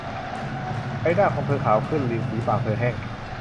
ใบหน้าของเธอขาวขึ้น ริมฝีปากเธอแห้ง